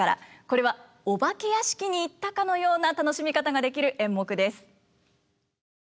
これはお化け屋敷に行ったかのような楽しみ方ができる演目です。